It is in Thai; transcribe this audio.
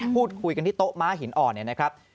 พูดคุยกันที่โต๊ะม้าหินอ่อนเนี่ยนะครับ